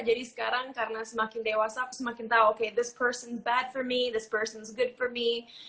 jadi sekarang karena semakin dewasa aku semakin tau okay this person bad for me this person is good for me